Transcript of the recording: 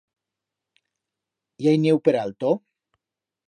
I hai nieu per alto?